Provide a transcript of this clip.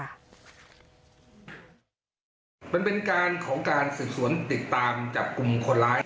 มันเป็นการของการสืบสวนติดตามจับกลุ่มคนร้าย